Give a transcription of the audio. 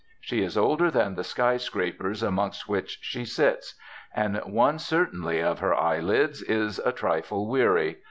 She is older than the sky scrapers amongst which she sits; and one, certainly, of her eyelids is a trifle weary.